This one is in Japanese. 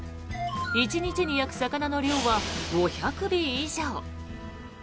１日に焼く魚の量は５００尾以上。